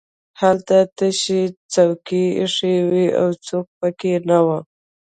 هلته تشې څوکۍ ایښې وې او څوک پکې نه وو